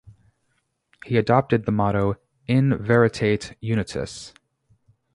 He adopted the motto "In varietate unitas!".